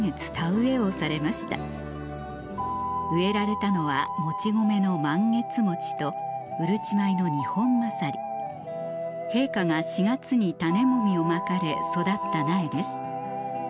植えられたのはもち米のマンゲツモチとうるち米のニホンマサリ陛下が４月に種もみをまかれ育った苗です